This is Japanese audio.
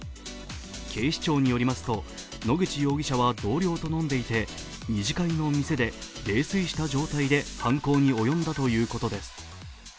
警視庁によりますと野口容疑者は同僚と飲んでいて２次会の店で泥酔した状態で犯行に及んだということです。